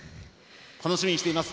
楽しみにしています。